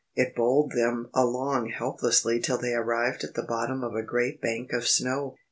It bowled them along helplessly till they arrived at the bottom of a great bank of snow.